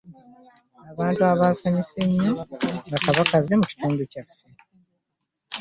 Abantu abasanyuse nnyo nga kabaka aze mu kitundu kyaffe.